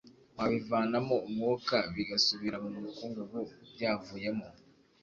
wabivanamo umwuka bigasubira mu mukungugu byavuyemo